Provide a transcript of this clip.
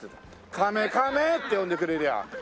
カメカメって呼んでくれりゃあ。